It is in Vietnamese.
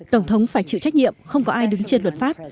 tổng thống phải chịu trách nhiệm không có ai đứng trên luật pháp